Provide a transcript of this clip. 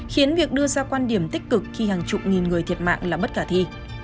khiến việc đưa ra quan điểm tích cực khi hàng chục nghìn người thiệt mạng là bất khả thi